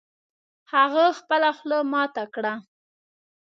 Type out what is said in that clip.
هغه خپله خوله ماته کړه